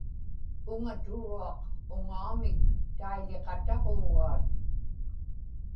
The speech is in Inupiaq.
uŋaturuaq uŋaamik taiḷiqataġuugaat